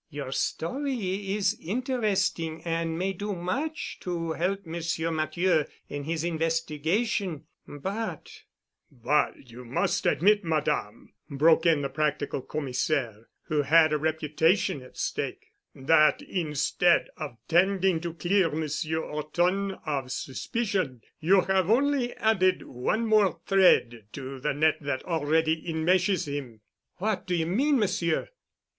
Your story is interesting and may do much to help Monsieur Matthieu in his investigation, but——" "But you must admit, Madame," broke in the practical Commissaire, who had a reputation at stake, "that instead of tending to clear Monsieur Horton of suspicion, you have only added one more thread to the net that already enmeshes him." "What do you mean, Monsieur?"